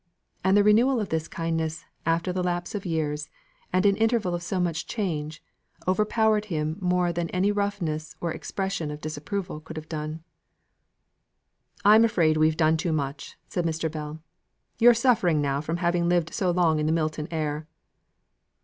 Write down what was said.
And the renewal of this kindliness, after the lapse of years, and an interval of so much change, overpowered him more than any roughness or expression of disapproval could have done. "I'm afraid we've done too much," said Mr. Bell. "You're suffering now from having lived so long in that Milton air."